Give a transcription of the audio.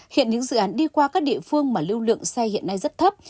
hiện những dự án đi qua các địa phương mà lưu lượng xe hiện nay rất thấp